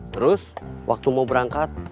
terus waktu mau berangkat